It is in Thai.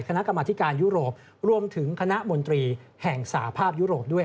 คณะกรรมธิการยุโรปรวมถึงคณะมนตรีแห่งสาภาพยุโรปด้วย